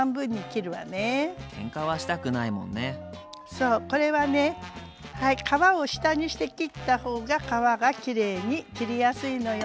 そうこれはねはい皮を下にして切った方が皮がきれいに切りやすいのよ。